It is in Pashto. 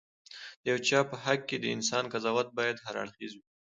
د یو چا په حق د انسان قضاوت باید هراړخيزه وي.